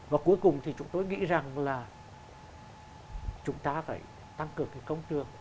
và cuối cùng thì chúng tôi nghĩ rằng là chúng ta phải tăng cường cái công trường